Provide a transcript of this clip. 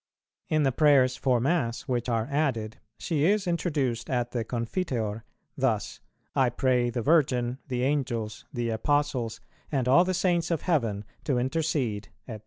In the Prayers for Mass which are added, she is introduced, at the Confiteor, thus, "I pray the Virgin, the Angels, the Apostles, and all the Saints of heaven to intercede," &c.